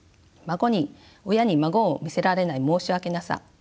親に孫を見せられない申し訳なさ。